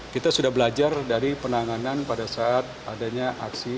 kita sudah belajar dari penanganan pada saat adanya aksi